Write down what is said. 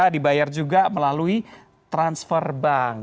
dibayar juga melalui transfer bank